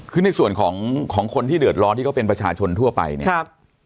คือในส่วนของของคนที่เดือดร้อนที่เขาเป็นประชาชนทั่วไปเนี่ย